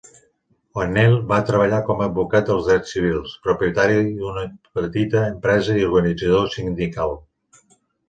O'Neill va treballar com a advocat dels drets civils, propietari d'una petita empresa i organitzador sindical.